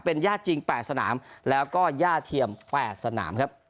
เป็นย่าจริง๘สนามแล้วก็ย่าเทียม๘สนามครับ